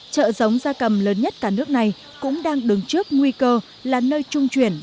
chợ giống gia cầm lớn nhất cả nước này cũng đang đứng trước nguy cơ là nơi trung chuyển